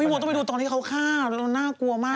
พี่หมวงต้องไปดูตอนที่เขาฆ่าน่ากลัวมาก